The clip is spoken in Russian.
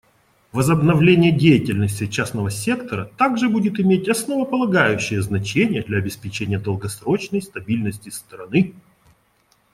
Возобновление деятельности частного сектора также будет иметь основополагающее значение для обеспечения долгосрочной стабильности страны.